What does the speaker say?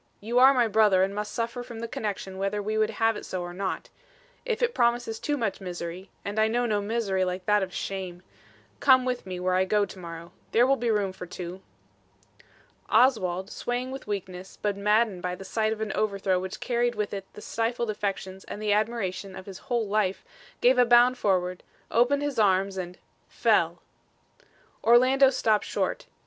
You are my brother and must suffer from the connection whether we would have it so or not. If it promises too much misery and I know no misery like that of shame come with me where I go to morrow. There will be room for two." Oswald, swaying with weakness, but maddened by the sight of an overthrow which carried with it the stifled affections and the admiration of his whole life, gave a bound forward, opened his arms and fell. Orlando stopped short.